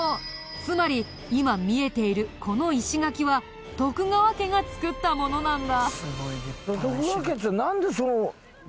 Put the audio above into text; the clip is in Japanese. つまり今見えているこの石垣は徳川家が造ったものなんだ。